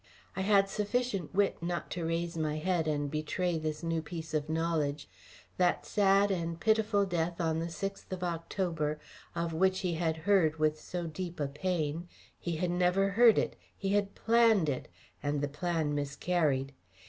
I had sufficient wit not to raise my head and betray this new piece of knowledge. That sad and pitiful death on the sixth of October, of which he had heard with so deep a pain he had never heard it, he had planned it, and the plan miscarried.